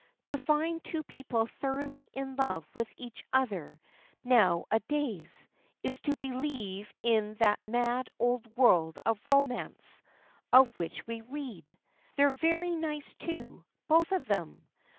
To find two people thoroughly in love with each other now a days, is to believe in that mad old world of romance of which we read. They're very nice too, both of them.